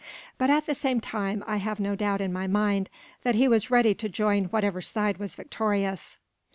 But at the same time, I have no doubt in my mind that he was ready to join whichever side was victorious."